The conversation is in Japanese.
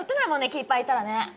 キーパーいたらね。